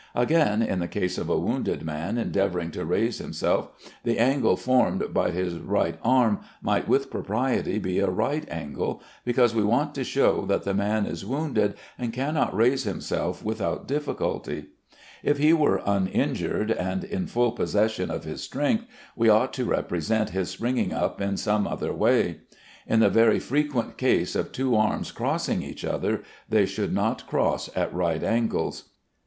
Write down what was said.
Again, in the case of a wounded man endeavoring to raise himself, the angle formed by his right arm might with propriety be a right angle, because we want to show that the man is wounded and cannot raise himself without difficulty. If he were uninjured and in full possession of his strength, we ought to represent his springing up in some other way. In the very frequent case of two arms crossing each other, they should not cross at right angles.